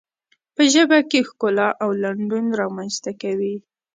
په ژبه کې ښکلا او لنډون رامنځته کوي.